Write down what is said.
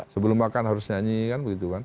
sebelum makan harus nyanyi kan begitu kan